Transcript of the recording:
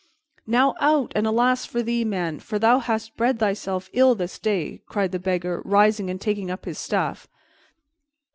"Now out, and alas for thee, man, for thou hast bred thyself ill this day!" cried the Beggar, rising and taking up his staff.